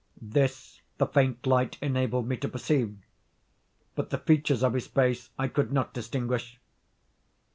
This the faint light enabled me to perceive; but the features of his face I could not distinguish.